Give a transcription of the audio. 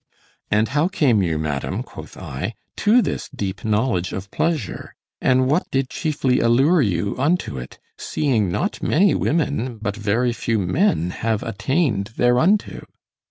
"And how came you, madame," quoth I, "to this deep knowledge of pleasure? and what did chiefly allure you unto it, seeing not many women, but very few men, have attained thereunto?"